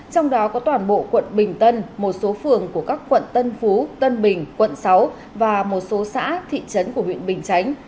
trong đó có toàn bộ quận bình tân một số phường của các quận tân phú tân bình quận sáu và một số xã thị trấn của huyện bình chánh